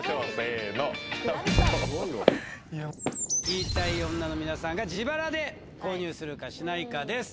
言いたい女の皆さんが自腹で購入するかしないかです